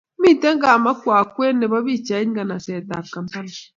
Mitei Kamwokya kwen nebo pcheetab nganasetab Kampala.